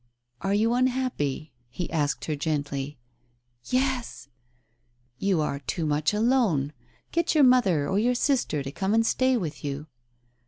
"Are you unhappy? " he asked her gently. "Yes!" "You are too mych alone. Get your mother or your sister to come and stay with you."